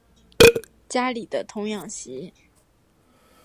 家里的童养媳